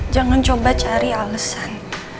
jangan coba cari alesan